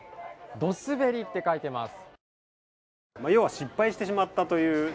ドすべりって書いてます。